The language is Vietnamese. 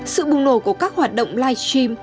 sự bùng nổ của các hoạt động live stream